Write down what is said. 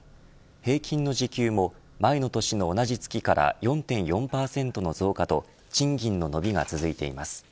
平均の時給も前の年の同じ月から４．４％の増加と賃金の伸びが続いています。